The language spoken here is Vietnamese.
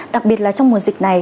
đặc biệt là trong mùa dịch này